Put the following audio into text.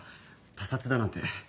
他殺だなんて。